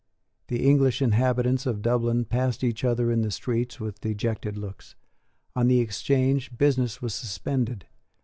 The English inhabitants of Dublin passed each other in the streets with dejected looks. On the Exchange business was suspended.